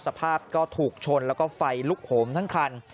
สภาพก็ถูกชนแล้วก็ไฟลุกโหมทั้งคัน